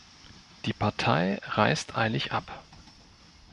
Die Partei reist eilig ab.